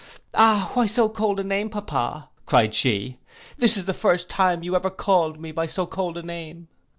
—'Ah, why so cold a name papa?' cried she. 'This is the first time you ever called me by so cold a name.